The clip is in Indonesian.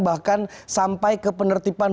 bahkan sampai ke penertipan